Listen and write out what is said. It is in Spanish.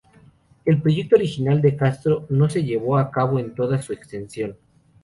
El proyecto original de Castro no se llevó a cabo en toda su extensión.